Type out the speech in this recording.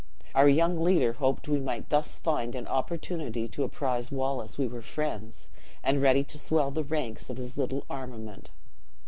Our young leader hoped we might thus find an opportunity to apprise Wallace we were friends, and ready to swell the ranks of his little armament.